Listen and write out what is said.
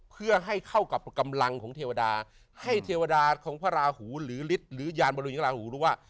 เพื่อให้เข้ากับกำลังของเทวดาให้เทวดาของพระราหูหรือฤทธิ์หรือยานบริราหูรู้ว่า